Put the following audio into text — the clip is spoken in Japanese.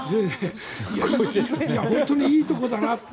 本当にいいところだなと。